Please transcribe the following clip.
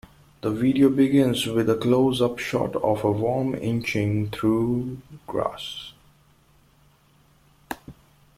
The video begins with a close-up shot of a worm inching through grass.